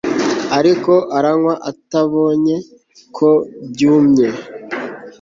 Ariko aranywa atabonye ko byumye